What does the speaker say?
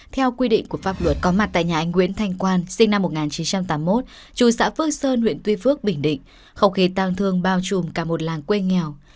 theo quy định của pháp luật có mặt tại nhà anh nguyễn thanh quan sinh năm một nghìn chín trăm tám mươi một trù xã phước sơn huyện tuy phước bình định không khí tang thương bao trùm cả một làng quê nghèo